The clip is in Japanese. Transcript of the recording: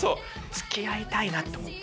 つきあいたいなって思って。